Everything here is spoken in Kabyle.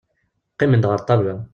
Qqimen-d ɣer ṭṭabla.